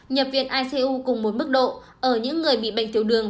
nhập viện icu cùng một mức độ ở những người bị bệnh tiểu đường